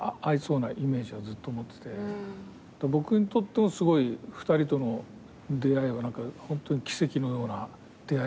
僕にとってもすごい２人との出会いはホントに奇跡のような出会いだったし。